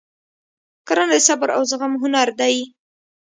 کرنه د صبر او زغم هنر دی.